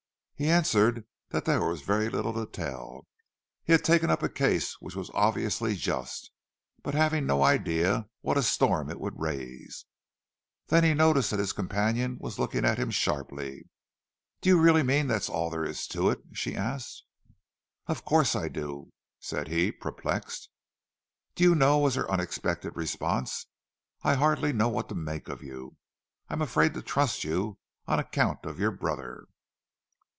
He answered that there was very little to tell. He had taken up a case which was obviously just, but having no idea what a storm it would raise. Then he noticed that his companion was looking at him sharply. "Do you really mean that's all there is to it?" she asked. "Of course I do," said he, perplexed. "Do you know," was her unexpected response, "I hardly know what to make of you. I'm afraid to trust you, on account of your brother."